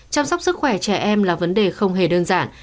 chăm sóc sức khỏe trẻ em là vấn đề không hề đơn giản